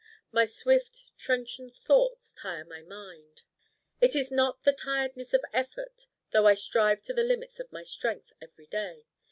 My swift trenchant thoughts Tire my Mind. It is not the Tiredness of effort though I strive to the limits of my strength every day.